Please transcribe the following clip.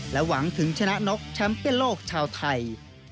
และหวังถึงชนะนกช้ำเป้นโลกชาวไทย